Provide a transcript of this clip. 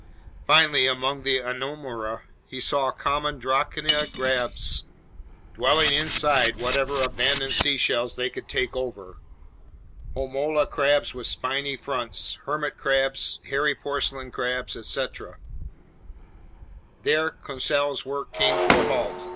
Finally, among the Anomura, he saw common drocina crabs dwelling inside whatever abandoned seashells they could take over, homola crabs with spiny fronts, hermit crabs, hairy porcelain crabs, etc. There Conseil's work came to a halt.